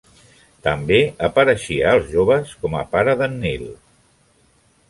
També apareixia a "Els joves" com a pare d'en Neil.